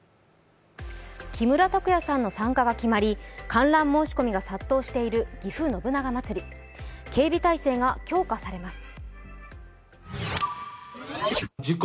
木村拓哉さんの参加が決まり、観覧申し込みが殺到しているぎふ信長まつり、警備態勢が強化されます。